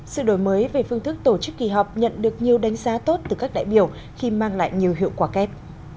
sự đổi mới về phương thức tổ chức kỳ họp nhận được nhiều đánh giá tốt từ các đại biểu khi mang lại nhiều hiệu quả kép